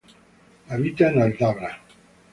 Habita en Aldabra.